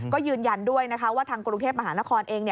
ก็ยืนยันด้วยนะคะว่าทางกรุงเทพมหานครเอง